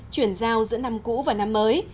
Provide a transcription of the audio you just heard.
chuyển giao giữa năm cũ và năm mới